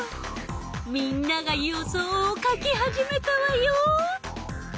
みんなが予想を書き始めたわよ！